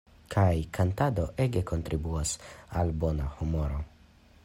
Kaj kantado ege kontribuas al bona humoro.